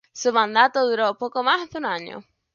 Su mandato duró poco más de un año.